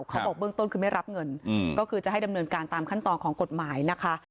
เขาบอกเบื้องต้นคือไม่รับเงินก็คือจะให้ดำเนินการตามขั้นตอนของกฎหมายนะคะ